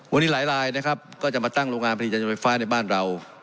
วันนี้หลายลายนะครับก็จะมาตั้งโรงงานผลิตยานไฟฟ้าในบ้านเรา